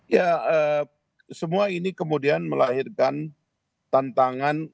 ya semua ini kemudian melahirkan tantangan